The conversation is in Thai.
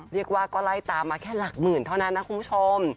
เรียกว่าก็ไล่ตามมาแค่หลักหมื่นเท่านั้นนะคุณผู้ชม